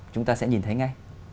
chúng ta sẽ nhìn thấy ngay